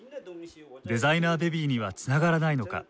デザイナーベビーにはつながらないのか？